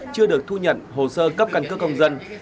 chưa được thu nhận hồ sơ cấp căn cước công dân